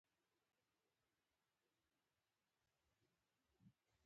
ایا ستاسو څیره روښانه نه ده؟